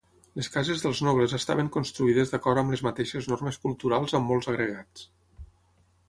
Les cases dels nobles estaven construïdes d'acord amb les mateixes normes culturals amb molts agregats.